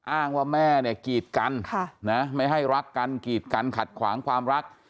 อ้างว่าแม่เนี่ยกีดกันไม่ให้รักกันกีดกันขัดขวางความรัก